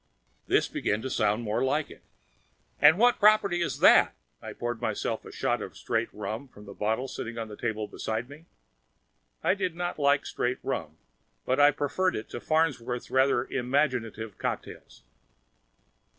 This began to sound more like it. "And what property is that?" I poured myself a shot of straight rum from the bottle sitting on the table beside me. I did not like straight rum, but I preferred it to Farnsworth's rather imaginative cocktails.